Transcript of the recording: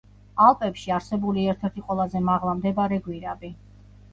ალპებში არსებული ერთ-ერთი ყველაზე მაღლა მდებარე გვირაბი.